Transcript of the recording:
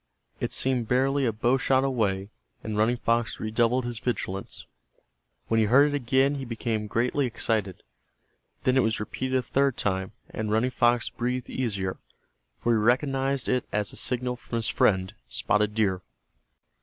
It seemed barely a bow shot away, and Running Fox redoubled his vigilance. When he heard it again he became greatly excited. Then it was repeated a third time, and Running Fox breathed easier, for he recognized it as a signal from his friend, Spotted Deer.